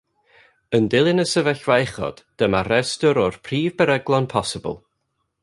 Yn dilyn y sefyllfa uchod, dyma restr o'r prif beryglon posibl